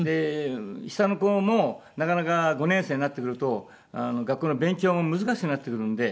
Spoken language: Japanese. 下の子もなかなか５年生になってくると学校の勉強も難しくなってくるので。